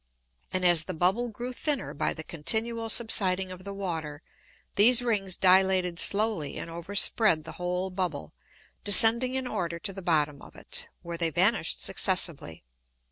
And as the Bubble grew thinner by the continual subsiding of the Water, these Rings dilated slowly and overspread the whole Bubble, descending in order to the bottom of it, where they vanish'd successively.